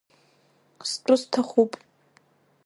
Стәы сҭахуп!